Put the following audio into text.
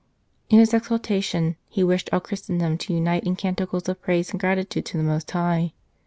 In his exaltation he wished all Christendom to unite in canticles of praise and gratitude to the Most High.